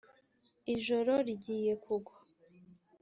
ijoro rigiye kugwa